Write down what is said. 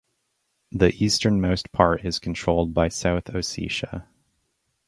The easternmost part is controlled by South Ossetia.